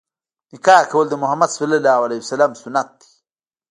نکاح کول د مُحَمَّد ﷺ سنت دی.